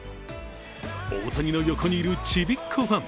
大谷の横にいるちびっこファン。